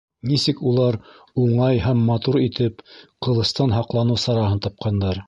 Нисек улар уңай һәм матур итеп ҡылыстан һаҡланыу сараһын тапҡандар!